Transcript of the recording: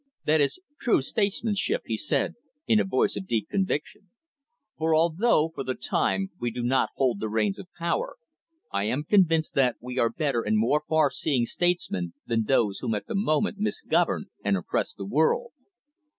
"That is true statesmanship," he said, in a voice of deep conviction. "For although, for the time, we do not hold the reins of power, I am convinced that we are better and more far seeing statesmen than those whom at the moment misgovern and oppress the world."